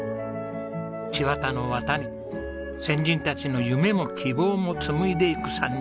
千綿の綿に先人たちの夢も希望も紡いでいく３人。